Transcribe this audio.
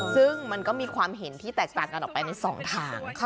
ซึ่งมันก็มีความเห็นที่แตกต่างกันออกไปในสองทาง